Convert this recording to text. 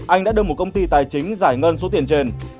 anh đã được một công ty tài chính giải ngân số tiền trên